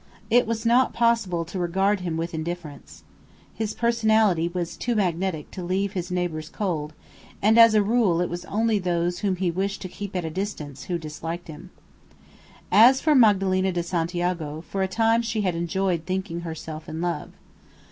It was not possible to regard him with indifference. His personality was too magnetic to leave his neighbours cold; and as a rule it was only those whom he wished to keep at a distance who disliked him. As for Madalena de Santiago, for a time she had enjoyed thinking herself in love.